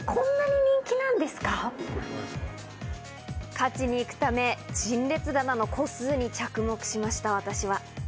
勝ちに行くため、陳列棚の個数に着目しました、私は。